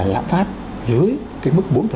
lạm phát dưới cái mức